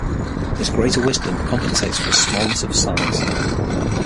His greater wisdom compensates for his smallness of size.